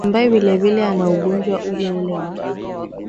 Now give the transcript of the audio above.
ambae vilevile ana ugonjwa ule ule wa